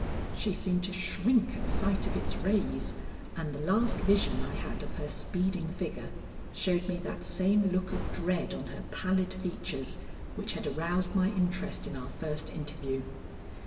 She seemed to shrink at sight of its rays, and the last vision I had of her speeding figure showed me that same look of dread on her pallid features which had aroused my interest in our first interview.